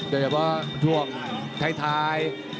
โดยเฉพาะท่วมท้ายทาย